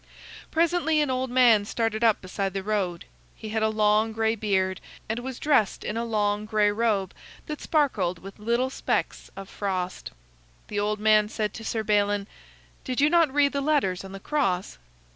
Presently an old man started up beside the road. He had a long gray beard, and was dressed in a long gray robe that sparkled with little specks of frost. The old man said to Sir Balin: "Did you not read the letters on the cross?"